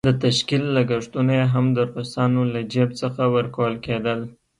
د تشکيل لګښتونه یې هم د روسانو له جېب څخه ورکول کېدل.